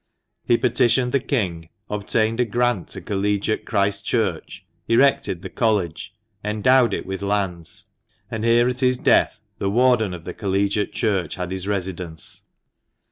He petitioned the king, obtained a grant to collegiate Christ Church, erected the College, endowed it with lands ; and here at his death the Warden of the Collegiate Church had his residence.